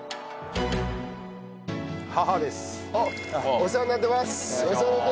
お世話になってます。